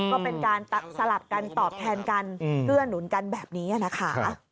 ก็เป็นการสลับกันตอบแทนกันเกื้อหนุนกันแบบนี้นะคะ